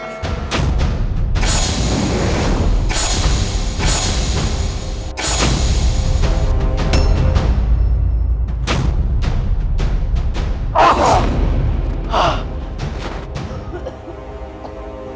dia akan menjadi para pengkhianat engkau